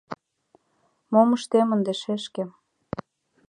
— Мом ыштем ынде, шешке?